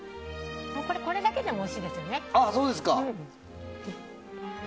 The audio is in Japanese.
これだけでもおいしいですね。